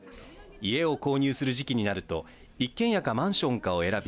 家を購入する時期になると一軒家かマンションかを選び